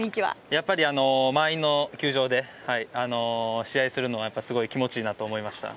やっぱり満員の球場で試合をするのはすごい気持ちいいなと思いました。